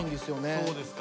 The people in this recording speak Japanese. そうですか。